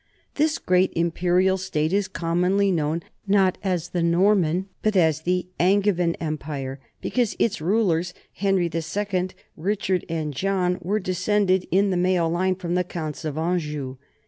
This great imperial state is commonly known, not as the Norman, but as the Angevin, empire, because its rulers, Henry II, Richard, and John, were descended in the male line from the counts of Anjou.